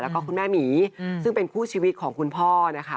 แล้วก็คุณแม่หมีซึ่งเป็นคู่ชีวิตของคุณพ่อนะคะ